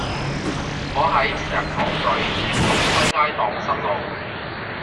我喺石塘咀興隆西街盪失路